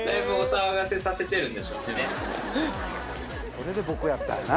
それで「僕」やったんやな。